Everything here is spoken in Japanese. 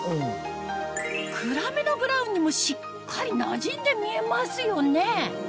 暗めのブラウンにもしっかりなじんで見えますよね